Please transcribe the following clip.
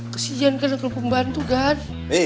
kesijan kan aku pembantu kan